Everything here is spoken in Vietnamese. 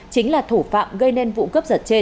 chính là thủ phạm gây nên vụ cướp giật trên